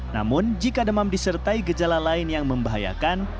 namun jika demam disertai gejala lain yang membahayakan